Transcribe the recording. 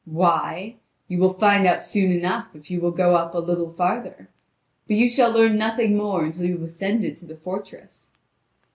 "Why? you will find out soon enough, if you will go a little farther. But you shall learn nothing more until you have ascended to the fortress."